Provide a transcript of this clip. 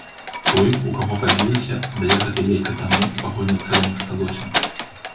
Той, у каго пабілася, аддае гэтае яйка таму, у каго яно цэлым засталося.